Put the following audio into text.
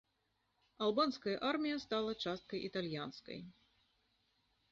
Албанская армія стала часткай італьянскай.